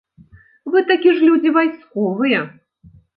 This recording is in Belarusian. Вы такі ж людзі вайсковыя.